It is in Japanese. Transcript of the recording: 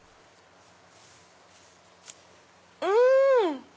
うん！